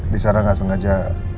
disana gak sengaja